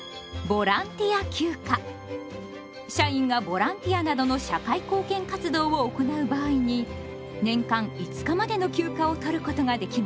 社員がボランティアなどの社会貢献活動を行う場合に年間５日までの休暇をとることができます。